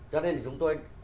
cho nên thì chúng tôi